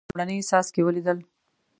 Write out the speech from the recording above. د را خوځېدونکو اوښکو لومړني څاڅکي ولیدل.